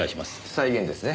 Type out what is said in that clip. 再現ですね。